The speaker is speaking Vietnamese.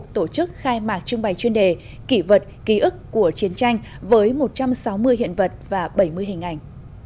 tổ chức khai mạc trưng bày chuyên đề kỷ vật ký ức của chiến tranh với một trăm sáu mươi hiện vật và bảy mươi hình ảnh